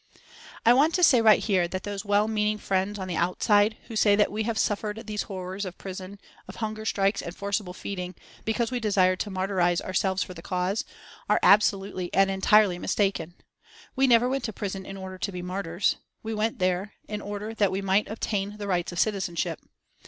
I want to say right here, that those well meaning friends on the outside who say that we have suffered these horrors of prison, of hunger strikes and forcible feeding, because we desired to martyrise ourselves for the cause, are absolutely and entirely mistaken. We never went to prison in order to be martyrs. We went there in order that we might obtain the rights of citizenship.